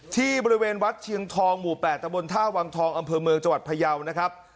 ที่บริเวณวัดเชียงทองหมู่๘ตะบนท่าวังทองอำเภอเมืองจังหวัดพยาวนะครับ